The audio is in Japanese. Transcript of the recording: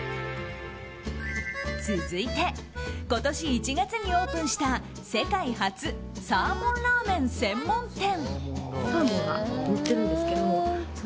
続いて、今年１月にオープンした世界初サーモンラーメン専門店。